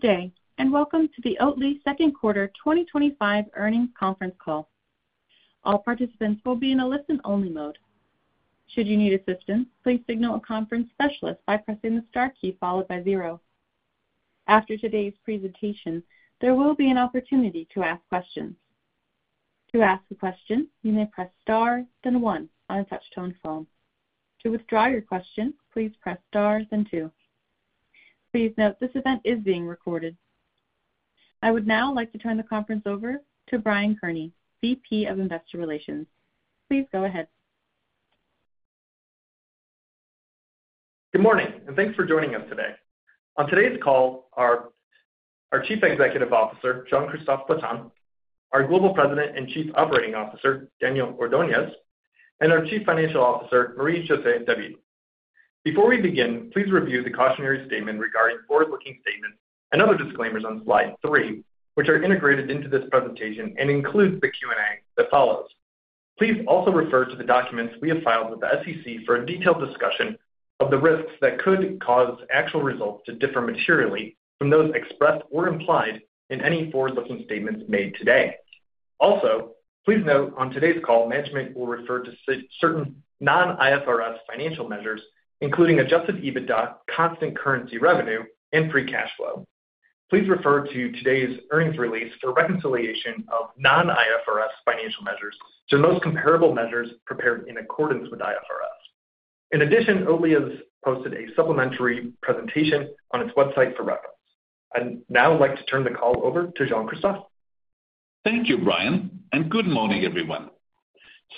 Today, and welcome to the Oatly's second quarter 2025 earnings conference call. All participants will be in a listen-only mode. Should you need assistance, please signal a conference specialist by pressing the star key followed by zero. After today's presentation, there will be an opportunity to ask questions. To ask a question, you may press star, then one on a touch-tone phone. To withdraw your question, please press star, then two. Please note this event is being recorded. I would now like to turn the conference over to Brian Kearney, VP of Investor Relations. Please go ahead. Good morning and thanks for joining us today. On today's call, our Chief Executive Officer, Jean-Christophe Flatin, our Global President and Chief Operating Officer, Daniel Ordoñez, and our Chief Financial Officer, Marie-José David. Before we begin, please review the cautionary statement regarding forward-looking statements and other disclaimers on slide three, which are integrated into this presentation and include the Q&A that follows. Please also refer to the documents we have filed with the SEC for a detailed discussion of the risks that could cause actual results to differ materially from those expressed or implied in any forward-looking statements made today. Also, please note on today's call, management will refer to certain non-IFRS financial measures, including Adjusted EBITDA, Constant Currency Revenue, and Free Cash Flow. Please refer to today's earnings release for reconciliation of non-IFRS financial measures to the most comparable measures prepared in accordance with IFRS. In addition, Oatly has posted a supplementary presentation on its website for reference. I'd now like to turn the call over to Jean-Christophe. Thank you, Brian, and good morning, everyone.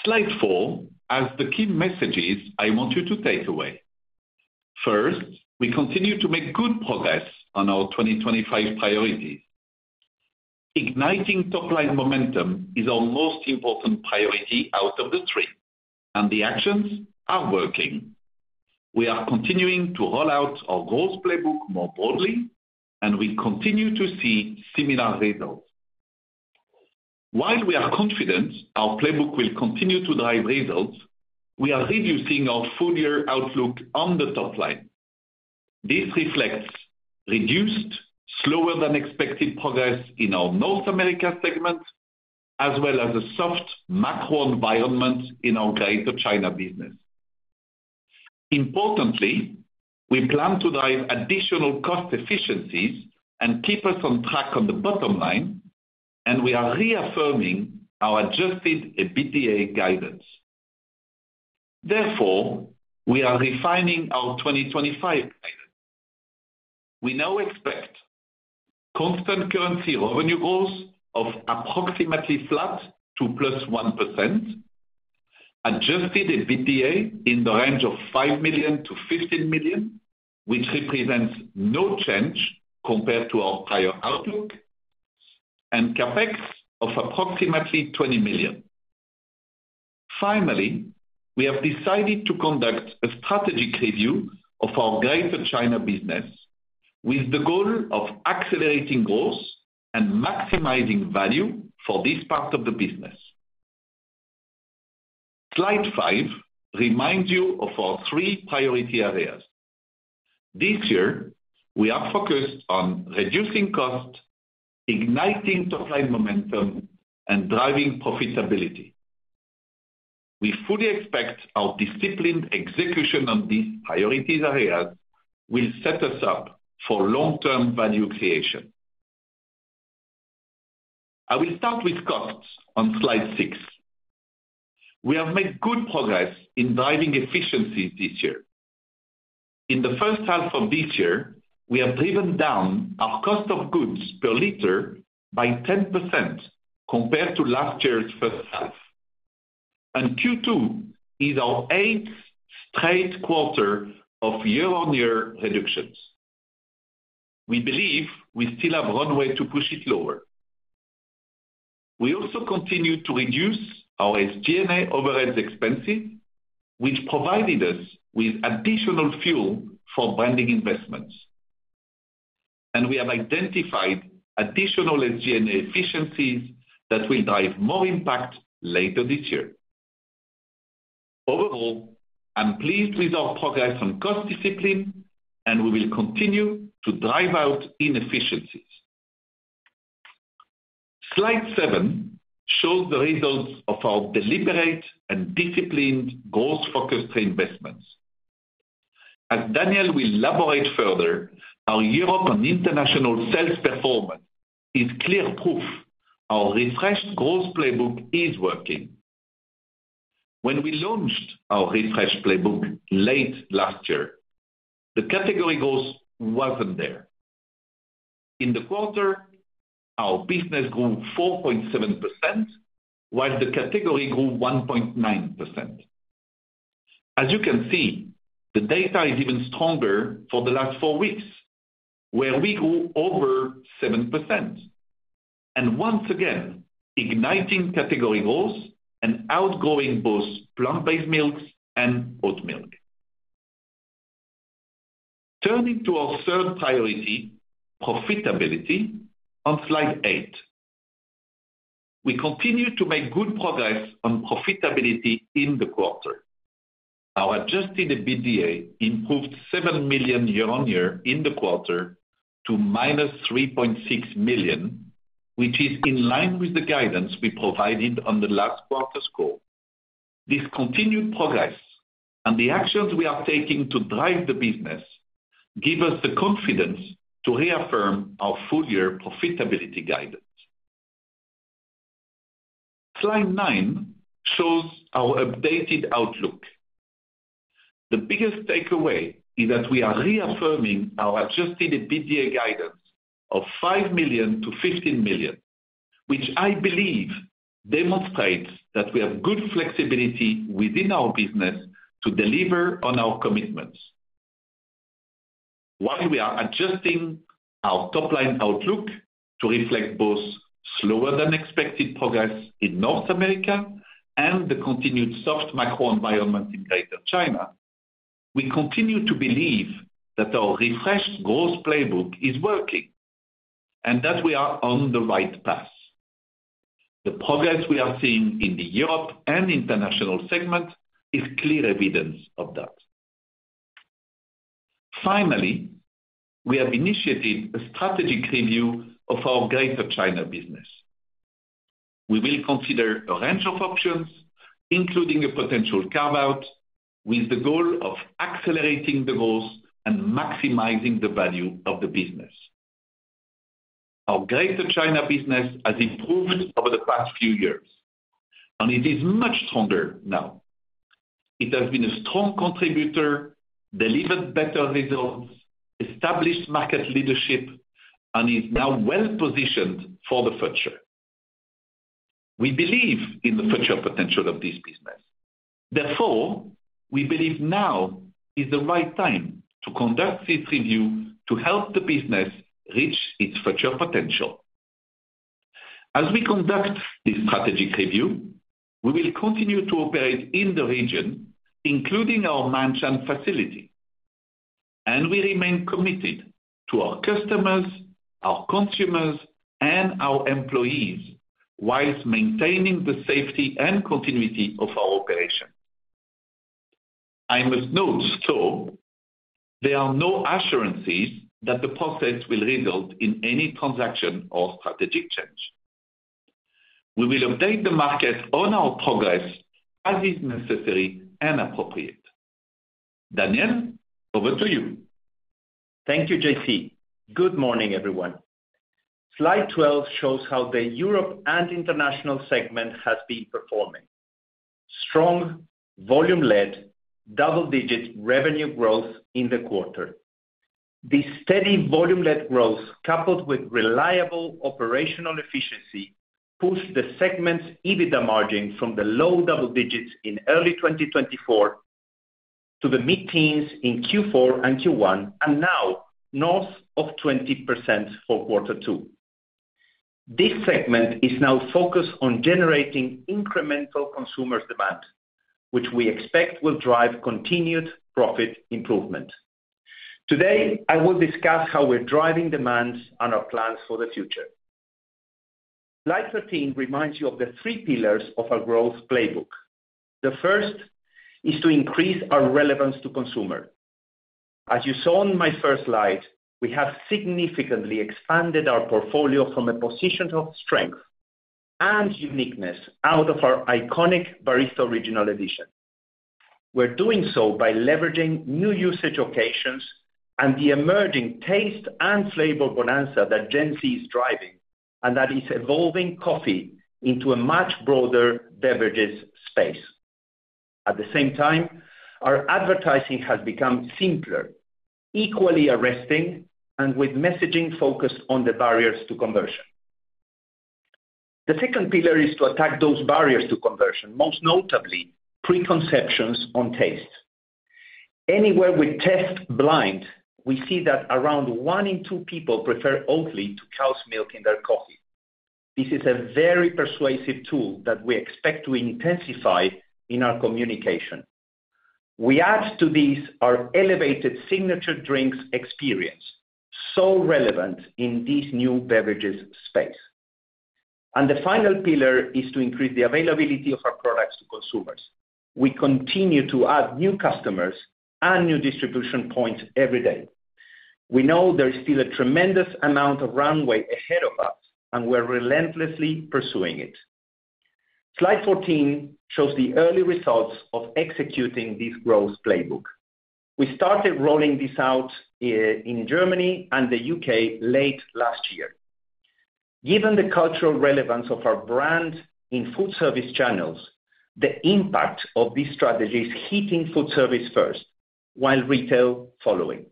Slide four has the key messages I want you to take away. First, we continue to make good progress on our 2025 priorities. Igniting top-line momentum is our most important priority out of the three, and the actions are working. We are continuing to roll out our Growth Playbook more broadly, and we continue to see similar results. While we are confident our playbook will continue to drive results, we are reducing our full-year outlook on the top line. This reflects reduced, slower-than-expected progress in our North America segment, as well as a soft macro environment in our Greater China business. Importantly, we plan to drive additional cost efficiencies and keep us on track on the bottom line, and we are reaffirming our Adjusted EBITDA guidance. Therefore, we are refining our 2025 guidance. We now expect Constant Currency Revenue growth of approximately flat to +1%, Adjusted EBITDA in the range of $5 million-$15 million, which represents no change compared to our prior outlook, and CapEx of approximately $20 million. Finally, we have decided to conduct a strategic review of our Greater China business with the goal of accelerating growth and maximizing value for this part of the business. Slide five reminds you of our three priority areas. This year, we are focused on reducing costs, igniting top-line momentum, and driving profitability. We fully expect our disciplined execution on these priority areas will set us up for long-term value creation. I will start with costs on slide six. We have made good progress in driving efficiencies this year. In the first half of this year, we have driven down our cost of goods per liter by 10% compared to last year's first half. Q2 is our eighth straight quarter of year-on-year reductions. We believe we still have runway to push it lower. We also continue to reduce our SG&A overhead expenses, which provided us with additional fuel for branding investments. We have identified additional SG&A efficiencies that will drive more impact later this year. Overall, I'm pleased with our progress on cost discipline, and we will continue to drive out inefficiencies. Slide seven shows the results of our deliberate and disciplined growth orchestration investments. As Daniel will elaborate further, our Europe and international sales performance is clear proof our refreshed Growth Playbook is working. When we launched our refreshed playbook late last year, the category growth wasn't there. In the quarter, our business grew 4.7%, while the category grew 1.9%. As you can see, the data is even stronger for the last four weeks, where we grew over 7%. Once again, igniting category growth and outgrowing both plant-based milks and oat milk. Turning to our third priority, profitability, on slide eight. We continue to make good progress on profitability in the quarter. Our Adjusted EBITDA improved $7 million year-on-year in the quarter to -$3.6 million, which is in line with the guidance we provided on the last quarter's score. This continued progress and the actions we are taking to drive the business give us the confidence to reaffirm our full-year profitability guidance. Slide nine shows our updated outlook. The biggest takeaway is that we are reaffirming our Adjusted EBITDA guidance of $5 million-$15 million, which I believe demonstrates that we have good flexibility within our business to deliver on our commitments. While we are adjusting our top-line outlook to reflect both slower-than-expected progress in North America and the continued soft macro environment in Greater China, we continue to believe that our refreshed Growth Playbook is working and that we are on the right path. The progress we are seeing in the Europe and international segment is clear evidence of that. Finally, we have initiated a strategic review of our Greater China business. We will consider a range of options, including a potential carve-out, with the goal of accelerating the growth and maximizing the value of the business. Our Greater China business has improved over the past few years, and it is much stronger now. It has been a strong contributor, delivered better results, established market leadership, and is now well-positioned for the future. We believe in the future potential of this business. Therefore, we believe now is the right time to conduct this review to help the business reach its future potential. As we conduct this strategic review, we will continue to operate in the region, including our mansion facility. We remain committed to our customers, our consumers, and our employees whilst maintaining the safety and continuity of our operation. I must note though, there are no assurances that the process will result in any transaction or strategic change. We will update the market on our progress as is necessary and appropriate. Daniel, over to you. Thank you, JC. Good morning, everyone. Slide 12 shows how the Europe and international segment has been performing. Strong volume-led double-digit revenue growth in the quarter. The steady volume-led growth, coupled with reliable operational efficiency, pushed the segment's EBITDA margin from the low double digits in early 2024 to the mid-teens in Q4 and Q1, and now north of 20% for quarter two. This segment is now focused on generating incremental consumer demand, which we expect will drive continued profit improvement. Today, I will discuss how we're driving demand and our plans for the future. Slide 13 reminds you of the three pillars of our Growth Playbook. The first is to increase our relevance to consumers. As you saw in my first slide, we have significantly expanded our portfolio from a position of strength and uniqueness out of our iconic Barista Original Edition. We're doing so by leveraging new usage occasions and the emerging taste and flavor bonanza that Gen Z is driving, and that is evolving coffee into a much broader beverages space. At the same time, our advertising has become simpler, equally arresting, and with messaging focused on the barriers to conversion. The second pillar is to attack those barriers to conversion, most notably preconceptions on taste. Anywhere we test blind, we see that around one in two people prefer Oatly to cow's milk in their coffee. This is a very persuasive tool that we expect to intensify in our communication. We add to this our elevated signature drinks experience, so relevant in this new beverages space. The final pillar is to increase the availability of our products to consumers. We continue to add new customers and new distribution points every day. We know there is still a tremendous amount of runway ahead of us, and we're relentlessly pursuing it. Slide 14 shows the early results of executing this Growth Playbook. We started rolling this out in Germany and the U.K. late last year. Given the cultural relevance of our brand in food service channels, the impact of this strategy is hitting food service first, with retail following.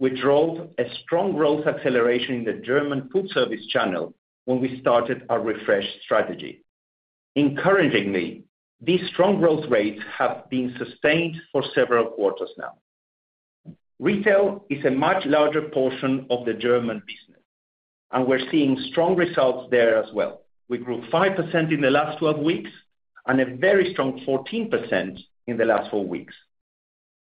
We drove a strong growth acceleration in the German food service channel when we started our refresh strategy. Encouragingly, these strong growth rates have been sustained for several quarters now. Retail is a much larger portion of the German business, and we're seeing strong results there as well. We grew 5% in the last 12 weeks and a very strong 14% in the last four weeks.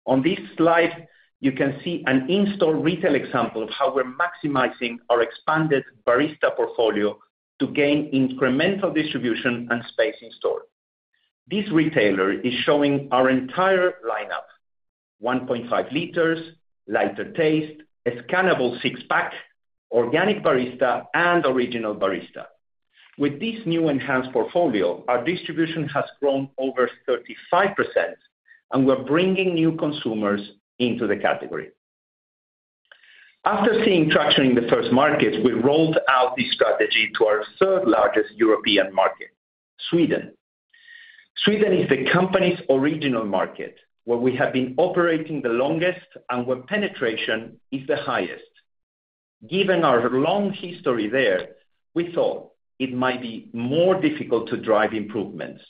On this slide, you can see an in-store retail example of how we're maximizing our expanded Barista portfolio to gain incremental distribution and space in store. This retailer is showing our entire lineup: 1.5 L, lighter taste, a scannable six-pack, Organic Barista, and Original Barista. With this new enhanced portfolio, our distribution has grown over 35%, and we're bringing new consumers into the category. After seeing traction in the first markets, we rolled out this strategy to our third largest European market, Sweden. Sweden is the company's original market where we have been operating the longest and where penetration is the highest. Given our long history there, we thought it might be more difficult to drive improvements.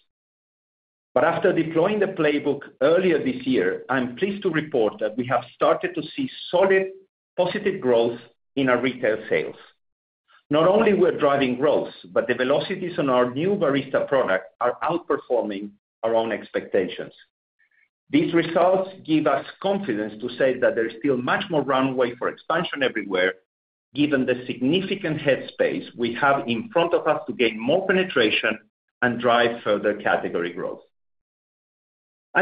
After deploying the playbook earlier this year, I'm pleased to report that we have started to see solid positive growth in our retail sales. Not only are we driving growth, but the velocities on our new Barista product are outperforming our own expectations. These results give us confidence to say that there's still much more runway for expansion everywhere, given the significant headspace we have in front of us to gain more penetration and drive further category growth.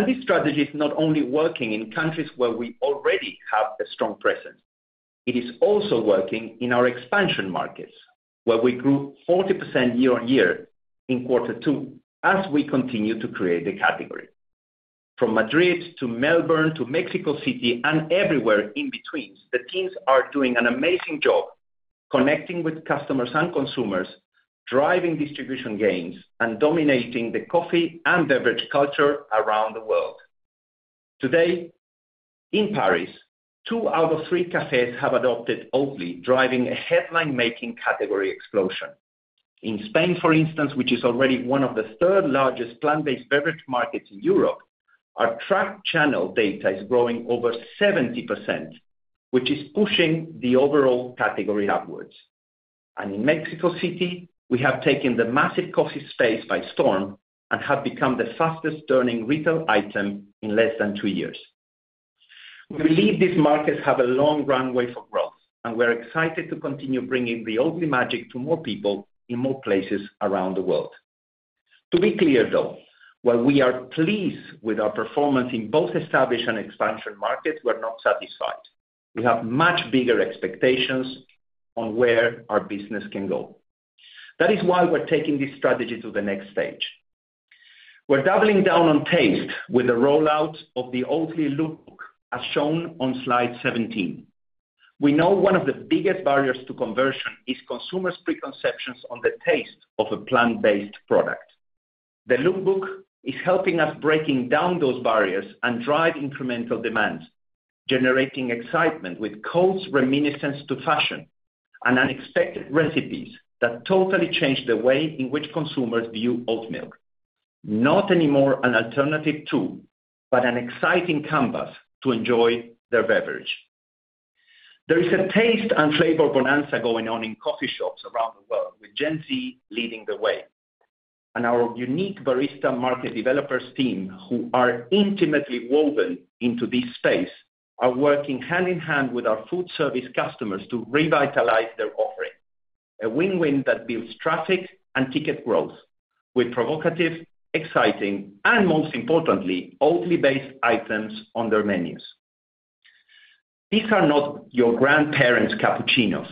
This strategy is not only working in countries where we already have a strong presence. It is also working in our expansion markets, where we grew 40% year-on-year in quarter two as we continue to create the category. From Madrid to Melbourne to Mexico City and everywhere in between, the teams are doing an amazing job connecting with customers and consumers, driving distribution gains, and dominating the coffee and beverage culture around the world. Today, in Paris, two out of three cafes have adopted Oatly, driving a headline-making category explosion. In Spain, for instance, which is already one of the third largest plant-based beverage markets in Europe, our track channel data is growing over 70%, which is pushing the overall category upwards. In Mexico City, we have taken the massive coffee space by storm and have become the fastest earning retail item in less than two years. We believe these markets have a long runway for growth, and we're excited to continue bringing the Oatly magic to more people in more places around the world. To be clear, though, while we are pleased with our performance in both established and expansion markets, we're not satisfied. We have much bigger expectations on where our business can go. That is why we're taking this strategy to the next stage. We're doubling down on taste with the rollout of the Oatly Look Book as shown on slide 17. We know one of the biggest barriers to conversion is consumers' preconceptions on the taste of a plant-based product. The Look Book is helping us break down those barriers and drive incremental demand, generating excitement with codes reminiscent of fashion and unexpected recipes that totally change the way in which consumers view oat milk. Not anymore an alternative tool, but an exciting canvas to enjoy their beverage. There is a taste and flavor bonanza going on in coffee shops around the world, with Gen Z leading the way. Our unique Barista Market Developers team, who are intimately woven into this space, are working hand in hand with our food service customers to revitalize their offering. A win-win that builds traffic and ticket growth with provocative, exciting, and most importantly, Oatly-based items on their menus. These are not your grandparents' cappuccinos.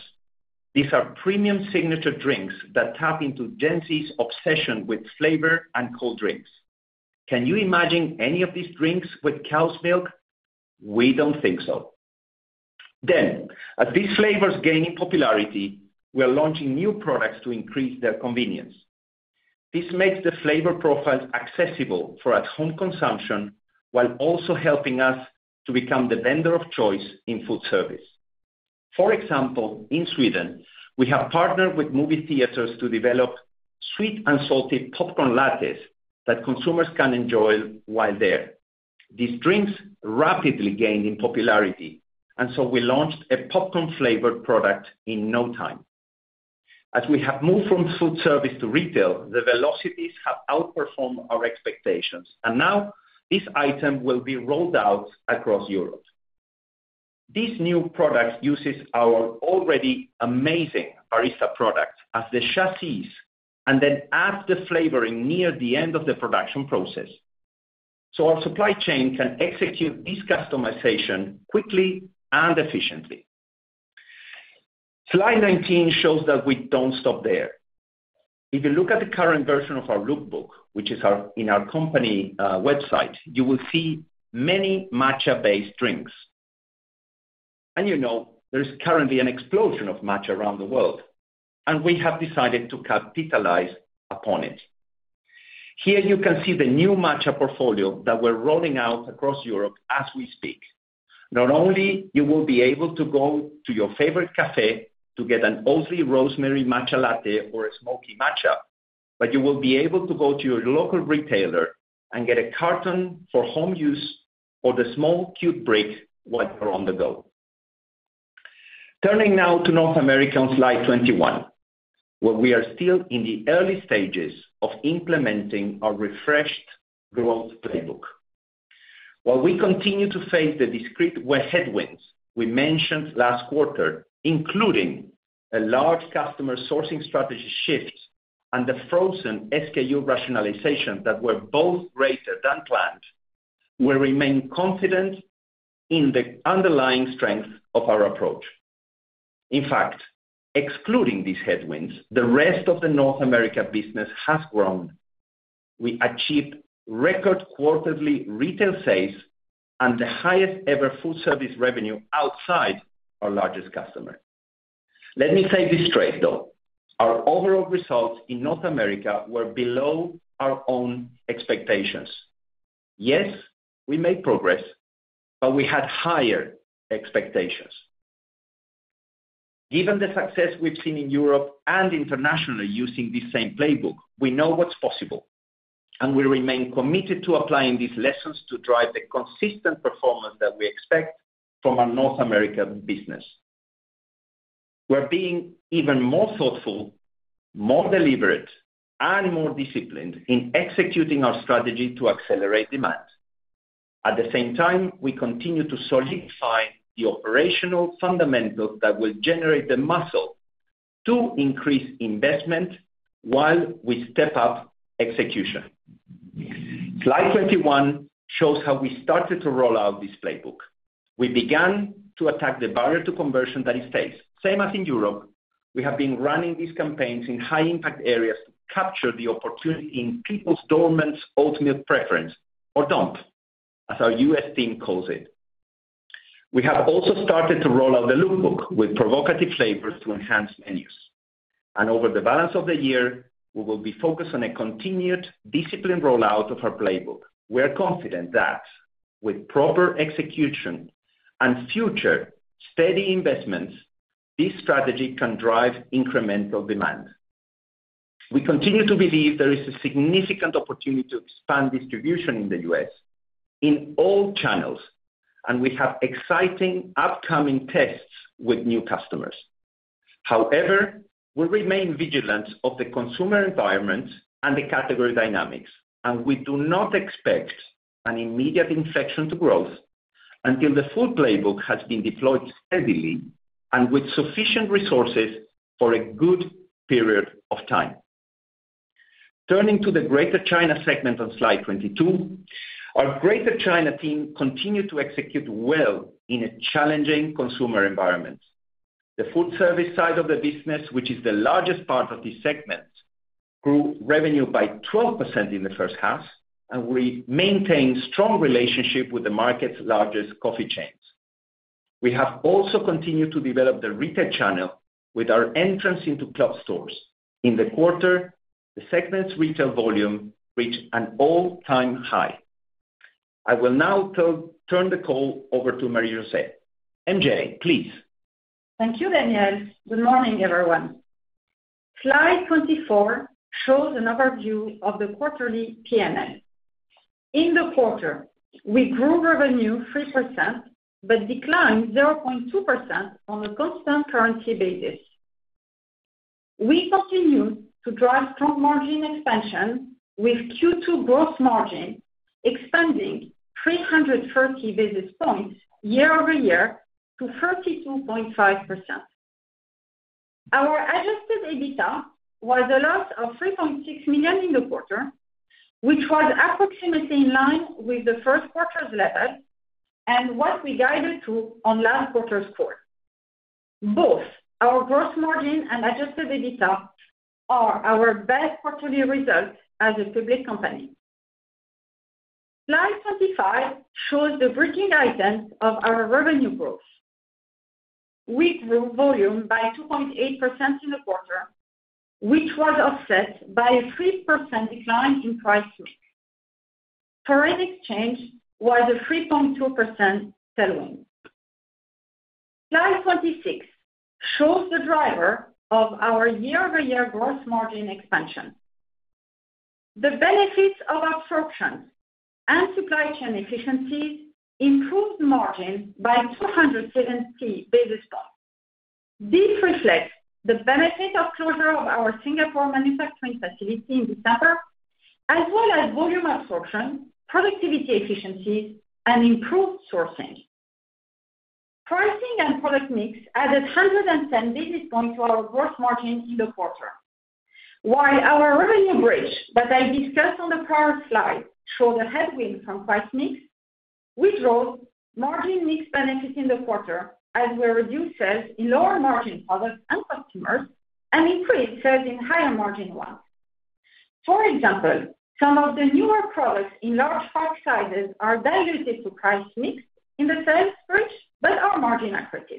These are premium signature drinks that tap into Gen Z's obsession with flavor and cold drinks. Can you imagine any of these drinks with cow's milk? We don't think so. With these flavors gaining popularity, we're launching new products to increase their convenience. This makes the flavor profiles accessible for at-home consumption while also helping us to become the vendor of choice in food service. For example, in Sweden, we have partnered with movie theaters to develop sweet and salty popcorn lattes that consumers can enjoy while there. These drinks rapidly gained in popularity, and we launched a popcorn-flavored product in no time. As we have moved from food service to retail, the velocities have outperformed our expectations, and now this item will be rolled out across Europe. This new product uses our already amazing Barista products as the chassis and then adds the flavoring near the end of the production process. Our supply chain can execute this customization quickly and efficiently. Slide 19 shows that we don't stop there. If you look at the current version of our Look Book, which is on our company website, you will see many matcha-based drinks. You know, there's currently an explosion of matcha around the world, and we have decided to capitalize upon it. Here you can see the new matcha portfolio that we're rolling out across Europe as we speak. Not only will you be able to go to your favorite cafe to get an Oatly Rosemary Matcha Latte or a Smokey Matcha, but you will be able to go to your local retailer and get a carton for home use or the small cute bricks while you're on the go. Turning now to North America on slide 21, where we are still in the early stages of implementing our refreshed Growth Playbook. While we continue to face the discrete headwinds we mentioned last quarter, including a large customer sourcing strategy shift and the frozen SKU rationalization that were both greater than planned, we remain confident in the underlying strength of our approach. In fact, excluding these headwinds, the rest of the North America business has grown. We achieved record quarterly retail sales and the highest ever food service revenue outside our largest customer. Let me say this straight, though. Our overall results in North America were below our own expectations. Yes, we made progress, but we had higher expectations. Given the success we've seen in Europe and internationally using this same playbook, we know what's possible, and we remain committed to applying these lessons to drive the consistent performance that we expect from our North American business. We're being even more thoughtful, more deliberate, and more disciplined in executing our strategy to accelerate demand. At the same time, we continue to solidify the operational fundamentals that will generate the muscle to increase investment while we step up execution. Slide 21 shows how we started to roll out this playbook. We began to attack the barrier to conversion that is faced. Same as in Europe, we have been running these campaigns in high-impact areas to capture the opportunity in people's dormant oat milk preference, or don't, as our U.S. team calls it. We have also started to roll out the Look Book with provocative flavors to enhance menus. Over the balance of the year, we will be focused on a continued disciplined rollout of our playbook. We are confident that with proper execution and future steady investments, this strategy can drive incremental demand. We continue to believe there is a significant opportunity to expand distribution in the U.S. in all channels, and we have exciting upcoming tests with new customers. However, we remain vigilant of the consumer environment and the category dynamics, and we do not expect an immediate inflection to growth until the full playbook has been deployed steadily and with sufficient resources for a good period of time. Turning to the Greater China segment on slide 22, our Greater China team continued to execute well in a challenging consumer environment. The food service side of the business, which is the largest part of this segment, grew revenue by 12% in the first half, and we maintained a strong relationship with the market's largest coffee chains. We have also continued to develop the retail channel with our entrance into club stores. In the quarter, the segment's retail volume reached an all-time high. I will now turn the call over to Marie-José. MJ, please. Thank you, Daniel. Good morning, everyone. Slide 24 shows an overview of the quarterly P&L. In the quarter, we grew revenue 3%, but declined 0.2% on a constant currency basis. We continued to drive strong margin expansion with Q2 gross margin expanding 330 basis points year-over-year to 32.5%. Our Adjusted EBITDA was a loss of $3.6 million in the quarter, which was approximately in line with the first quarter's level and what we guided to on last quarter's score. Both our gross margin and Adjusted EBITDA are our best quarterly results as a public company. Slide 25 shows the bridging item of our revenue growth. We grew volume by 2.8% in the quarter, which was offset by a 3% decline in price growth. Current exchange was a 3.2% tailwind. Slide 26 shows the driver of our year-over-year gross margin expansion. The benefits of absorption and supply chain efficiencies improved margin by 270 basis points. This reflects the benefit of closure of our Singapore manufacturing facility in December, as well as volume absorption, productivity efficiencies, and improved sourcing. Pricing and product mix added 110 basis points to our gross margin in the quarter. While our revenue bridge that I discussed on the prior slide showed a headwind from price mix, we drove margin mix benefits in the quarter as we reduced sales in lower margin products and customers and increased sales in higher margin ones. For example, some of the newer products in large pack sizes are diluted to price mix in the sales bridge but are margin accurate.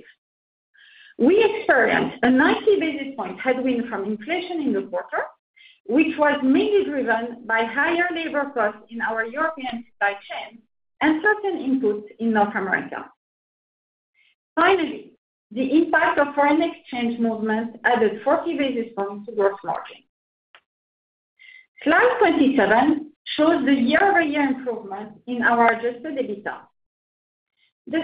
We experienced a 90 basis point headwind from inflation in the quarter, which was mainly driven by higher labor costs in our European supply chain and certain inputs in North America. Finally, the impact of foreign exchange movements added 40 basis points to gross margin. Slide 27 shows the year-over-year improvement in our Adjusted EBITDA. The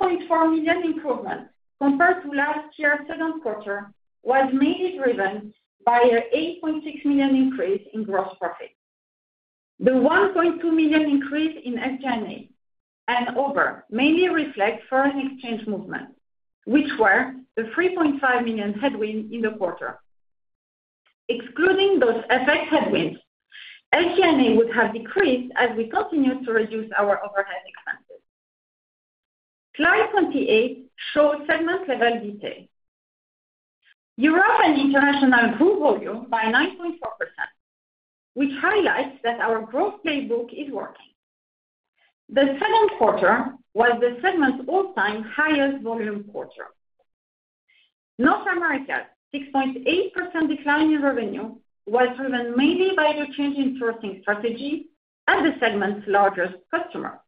$7.4 million improvement compared to last year's second quarter was mainly driven by an $8.6 million increase in gross profit. The $1.2 million increase in SG&A and over mainly reflects foreign exchange movements, which were a $3.5 million headwind in the quarter. Excluding those FX headwinds, SG&A would have decreased as we continued to reduce our overhead expenses. Slide 28 shows segment-level detail. Europe and international grew volume by 9.4%, which highlights that our Growth Playbook is working. The second quarter was the segment's all-time highest volume quarter. North America's 6.8% decline in revenue was driven mainly by the change in sourcing strategy and the segment's largest customer.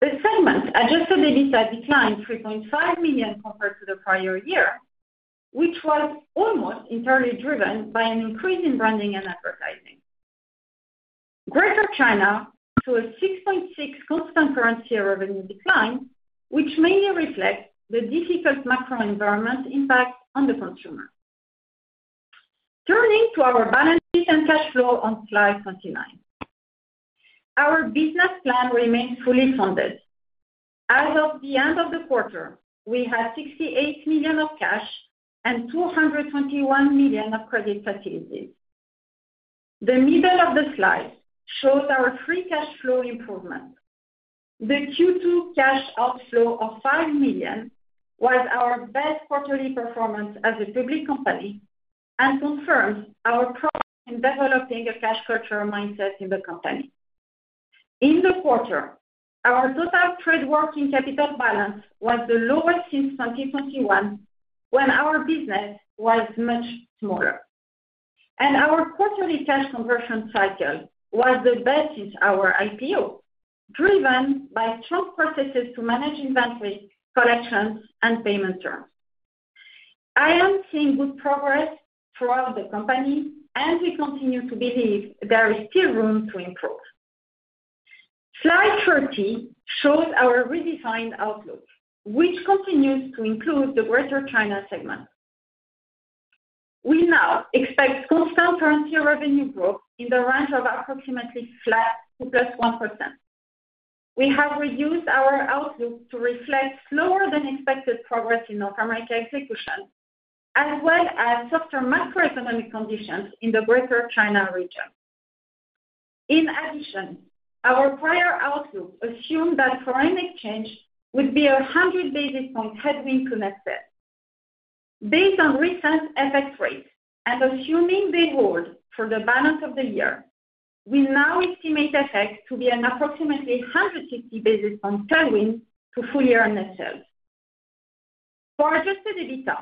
The segment's Adjusted EBITDA declined $3.5 million compared to the prior year, which was almost entirely driven by an increase in branding and advertising. Greater China saw a 6.6% Constant Currency Revenue decline, which mainly reflects the difficult macro environment impact on the consumer. Turning to our balance sheet and cash flow on slide 29, our business plan remains fully funded. As of the end of the quarter, we had $68 million of cash and $221 million of credit facilities. The middle of the slide shows our Free Cash Flow improvement. The Q2 cash outflow of $5 million was our best quarterly performance as a public company and confirms our approach in developing a cash culture mindset in the company. In the quarter, our total trade working capital balance was the lowest since 2021, when our business was much smaller. Our quarterly cash conversion cycle was the best since our IPO, driven by strong processes to manage inventory, collections, and payment terms. I am seeing good progress throughout the company, and we continue to believe there is still room to improve. Slide 30 shows our redesigned outlook, which continues to include the Greater China segment. We now expect Constant Currency Revenue growth in the range of approximately flat to +1%. We have revised our outlook to reflect slower-than-expected progress in North America execution, as well as softer macroeconomic conditions in the Greater China region. In addition, our prior outlook assumed that foreign exchange would be a 100 basis point headwind to net sales. Based on recent FX rates and assuming they hold for the balance of the year, we now estimate FX to be an approximately 150 basis point tailwind to full year net sales. For Adjusted EBITDA,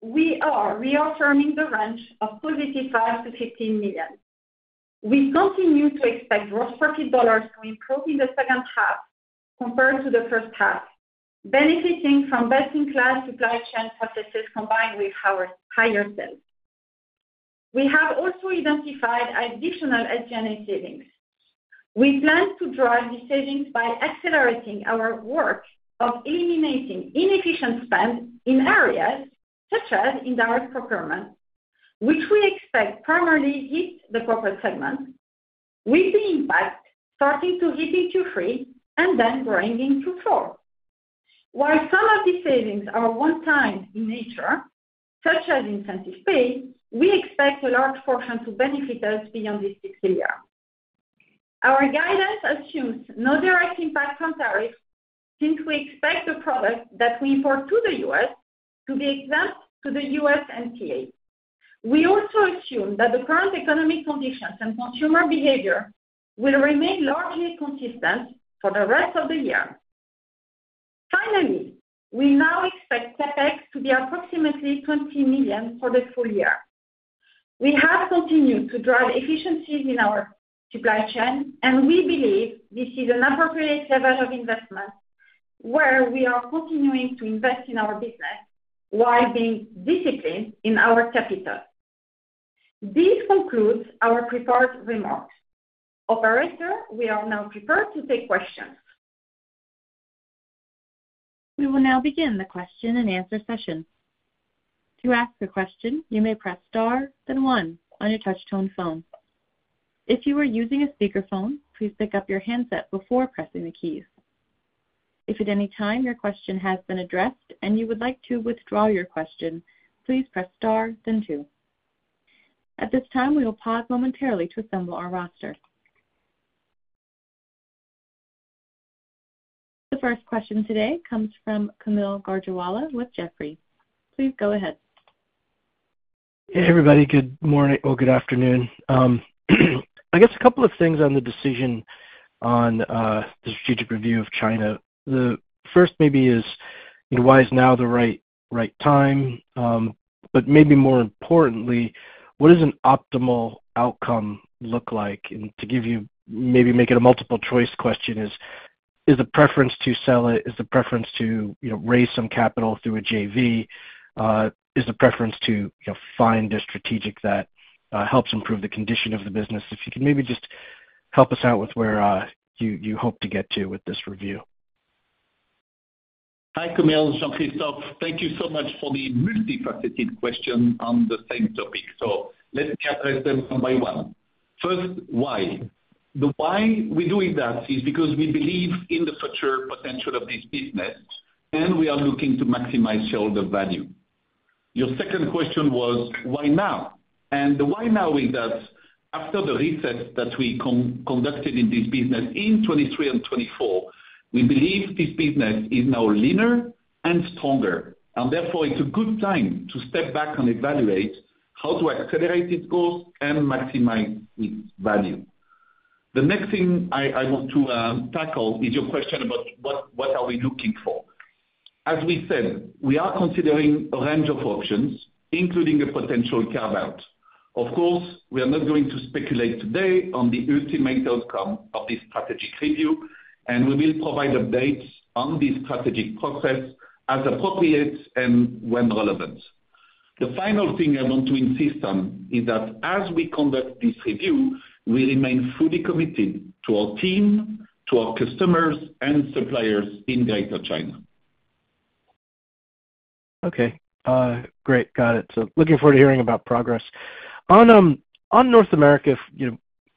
we are reaffirming the range of +$4 million-$15 million. We continue to expect gross profit dollars to improve in the second half compared to the first half, benefiting from best-in-class supply chain processes combined with our higher sales. We have also identified additional SG&A savings. We plan to drive these savings by accelerating our work of eliminating inefficient spend in areas such as indirect procurement, which we expect will primarily hit the corporate segment, with the impact starting to hit in Q3 and then growing in Q4. While some of these savings are one-time in nature, such as incentive pay, we expect a large portion to benefit us beyond this fiscal year. Our guidance assumes no direct impact from tariffs since we expect the products that we import to the U.S. to be exempt to the U.S. NTA. We also assume that the current economic conditions and consumer behavior will remain largely consistent for the rest of the year. Finally, we now expect FX to be approximately $20 million for the full year. We have continued to drive efficiencies in our supply chain, and we believe this is an appropriate level of investment where we are continuing to invest in our business while being disciplined in our capital. This concludes our prepared remarks. Operator, we are now prepared to take questions. We will now begin the question and answer session. To ask a question, you may press star, then one on your touch-tone phone. If you are using a speaker phone, please pick up your handset before pressing the keys. If at any time your question has been addressed and you would like to withdraw your question, please press star, then two. At this time, we will pause momentarily to assemble our roster. The first question today comes from Kaumil Gajrawala with Jefferies. Please go ahead. Hey, everybody. Good morning. Good afternoon. I guess a couple of things on the decision on the strategic review of Greater China. The first is, you know, why is now the right time? More importantly, what does an optimal outcome look like? To give you maybe make it a multiple-choice question, is the preference to sell it, is the preference to, you know, raise some capital through a JV, is the preference to, you know, find a strategic that helps improve the condition of the business? If you can maybe just help us out with where you hope to get to with this review. Hi, Kaumil. Jean-Christophe, thank you so much for the multifaceted question on the same topic. Let's answer them one by one. First, why. The why we're doing that is because we believe in the future potential of this business, and we are looking to maximize shareholder value. Your second question was, why now? The why now is that after the reset that we conducted in this business in 2023 and 2024, we believe this business is now leaner and stronger, and therefore it's a good time to step back and evaluate how do I accelerate its growth and maximize its value. The next thing I want to tackle is your question about what are we looking for. As we said, we are considering a range of options, including a potential carve-out. Of course, we are not going to speculate today on the ultimate outcome of this strategic review, and we will provide updates on this strategic process as appropriate and when relevant. The final thing I want to insist on is that as we conduct this review, we remain fully committed to our team, to our customers, and suppliers in Greater China. Okay. Great. Got it. Looking forward to hearing about progress. On North America,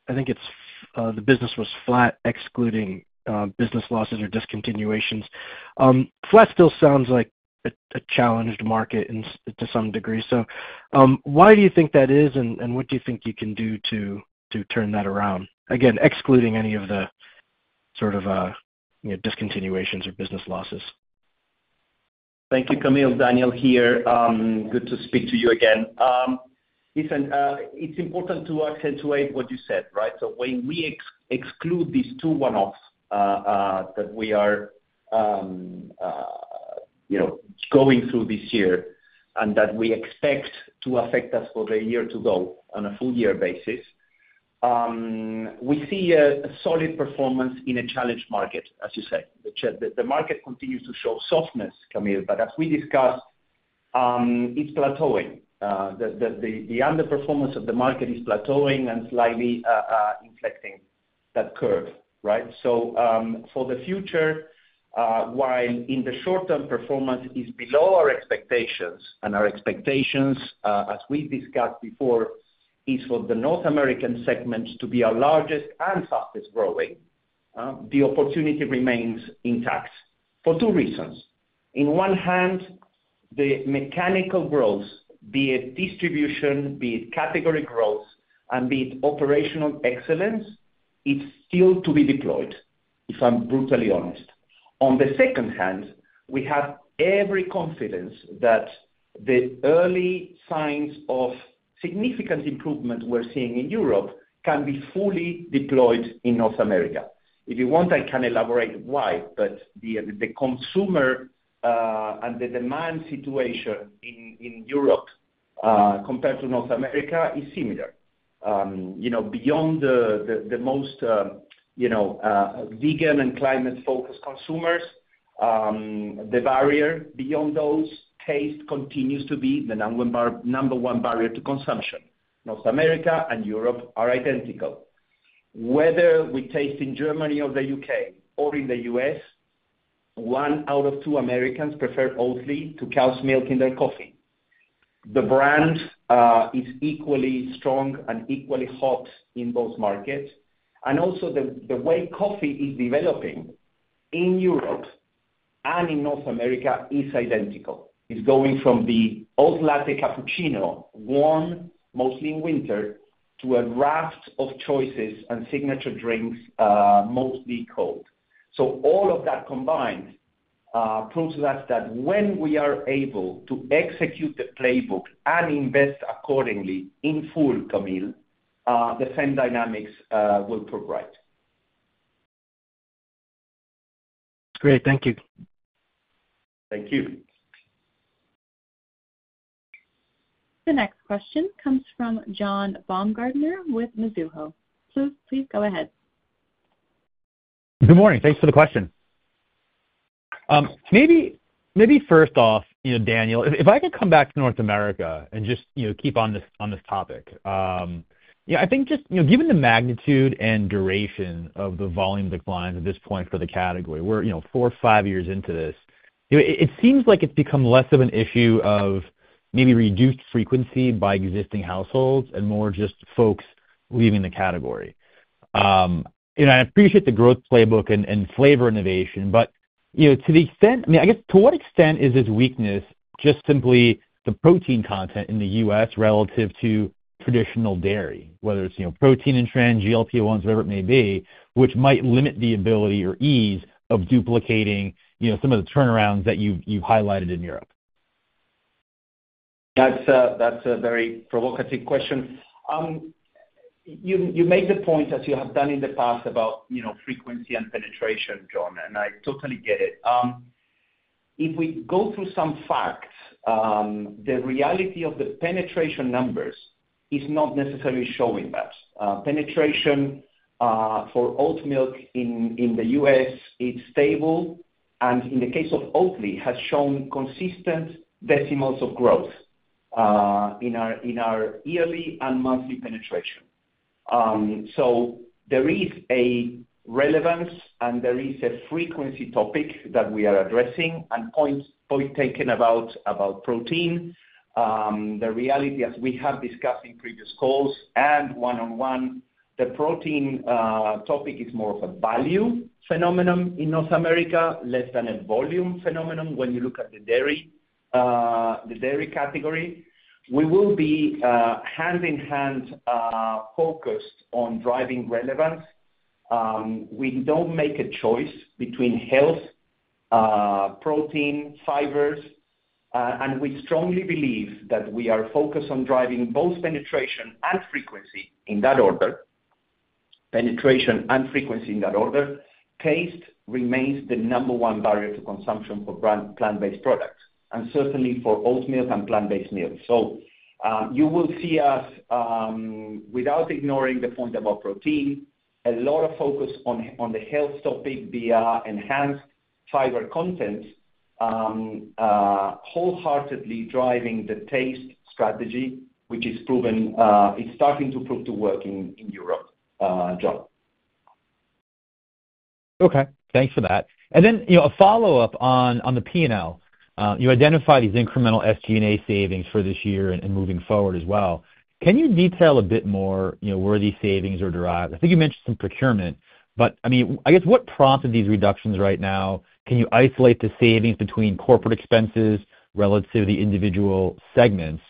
I think the business was flat, excluding business losses or discontinuations. Flat still sounds like a challenged market to some degree. Why do you think that is, and what do you think you can do to turn that around? Again, excluding any of the sort of discontinuations or business losses. Thank you, Kaumil. Daniel here. Good to speak to you again. It's important to accentuate what you said, right? When we exclude these two one-offs that we are going through this year and that we expect to affect us for the year to go on a full-year basis, we see a solid performance in a challenged market, as you said. The market continues to show softness, Kaumil, but as we discussed, it's plateauing. The underperformance of the market is plateauing and slightly inflecting that curve, right? For the future, while in the short term, performance is below our expectations, and our expectations, as we discussed before, is for the North American segment to be our largest and fastest growing, the opportunity remains intact for two reasons. In one hand, the mechanical growth, be it distribution, be it category growth, and be it operational excellence, is still to be deployed, if I'm brutally honest. On the second hand, we have every confidence that the early signs of significant improvement we're seeing in Europe can be fully deployed in North America. If you want, I can elaborate why, but the consumer and the demand situation in Europe compared to North America is similar. You know, beyond the most vegan and climate-focused consumers, the barrier beyond those tastes continues to be the number one barrier to consumption. North America and Europe are identical. Whether we taste in Germany or the U.K. or in the U.S., one out of two Americans prefer Oatly to cow's milk in their coffee. The brand is equally strong and equally hot in both markets. Also, the way coffee is developing in Europe and in North America is identical. It's going from the Oat Latte cappuccino, warm, mostly in winter, to a raft of choices and signature drinks, mostly cold. All of that combined proves to us that when we are able to execute the playbook and invest accordingly in full, Kaumil, the same dynamics will progress. Great. Thank you. Thank you. The next question comes from John Joseph Baumgartner with Mizuho. Please go ahead. Good morning. Thanks for the question. Maybe first off, Daniel, if I could come back to North America and just keep on this topic, I think just given the magnitude and duration of the volume declines at this point for the category, we're four or five years into this. It seems like it's become less of an issue of maybe reduced frequency by existing households and more just folks leaving the category. I appreciate the Growth Playbook and flavor innovation, but to the extent, I mean, I guess to what extent is this weakness just simply the protein content in the U.S. relative to traditional dairy, whether it's protein and trends, GLP-1s, whatever it may be, which might limit the ability or ease of duplicating some of the turnarounds that you've highlighted in Europe? That's a very provocative question. You make the point, as you have done in the past, about frequency and penetration, John, and I totally get it. If we go through some facts, the reality of the penetration numbers is not necessarily showing that. Penetration for oat milk in the U.S., it's stable, and in the case of Oatly, it has shown consistent decimals of growth in our yearly and monthly penetration. There is a relevance, and there is a frequency topic that we are addressing and point taken about protein. The reality, as we have discussed in previous calls and one-on-one, the protein topic is more of a value phenomenon in North America, less than a volume phenomenon when you look at the dairy category. We will be hand-in-hand focused on driving relevance. We don't make a choice between health, protein, fibers, and we strongly believe that we are focused on driving both penetration and frequency in that order. Penetration and frequency in that order. Taste remains the number one barrier to consumption for plant-based products and certainly for oat milk and plant-based milk. You will see us, without ignoring the point about protein, a lot of focus on the health topic via enhanced fiber contents, wholeheartedly driving the taste strategy, which is proven, it's starting to prove to work in Europe, John. Okay. Thanks for that. A follow-up on the P&L. You identified these incremental SG&A savings for this year and moving forward as well. Can you detail a bit more where these savings are derived? I think you mentioned some procurement, but I mean, I guess what prompted these reductions right now? Can you isolate the savings between corporate expenses relative to the individual segments?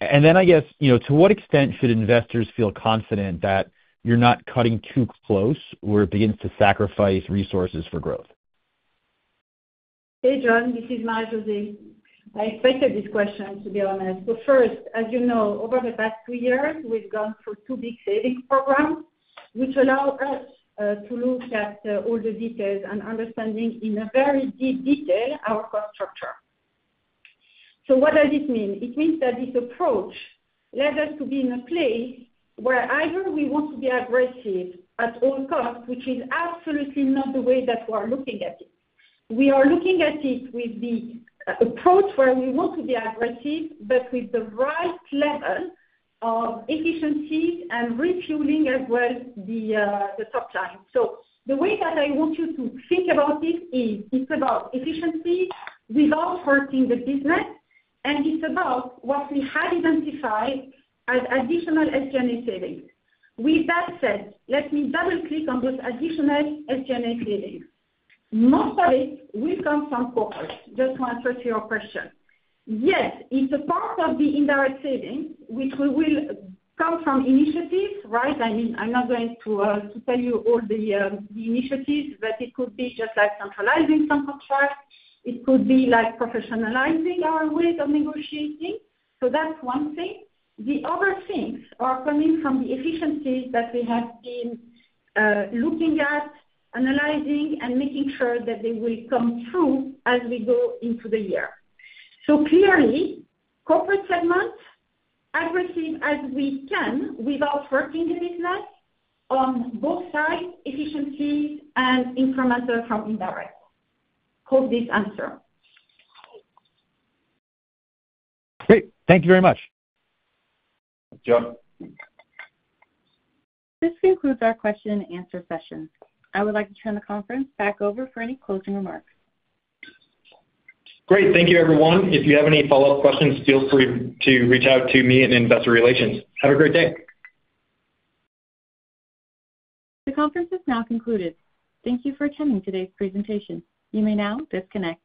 I guess, to what extent should investors feel confident that you're not cutting too close where it begins to sacrifice resources for growth? Hey, John. This is Marie-José. I specified this question to the other men. As you know, over the past two years, we've gone through two big savings programs which allow us to look at all the details and understanding in a very deep detail our cost structure. What does this mean? It means that this approach led us to be in a place where either we want to be aggressive at all costs, which is absolutely not the way that we are looking at it. We are looking at it with the approach where we want to be aggressive, but with the right level of efficiency and refueling as well as the supply. The way that I want you to think about it is it's about efficiency without hurting the business, and it's about what we have identified as additional SG&A savings. With that said, let me double-click on those additional SG&A savings. Most of it will come from corporate, just to answer to your question. Yes, it's a part of the indirect savings, which will come from initiatives, right? I'm not going to tell you all the initiatives, but it could be just like centralizing some contracts. It could be like professionalizing our ways of negotiating. That's one thing. The other things are coming from the efficiencies that we have been looking at, analyzing, and making sure that they will come through as we go into the year. Clearly, corporate segments, as aggressive as we can without hurting the business on both sides, efficiency and incremental from indirect. Hope this answers. Great, thank you very much. Joe. This concludes our question and answer session. I would like to turn the conference back over for any closing remarks. Great. Thank you, everyone. If you have any follow-up questions, feel free to reach out to me and Investor Relations. Have a great day. The conference is now concluded. Thank you for attending today's presentation. You may now disconnect.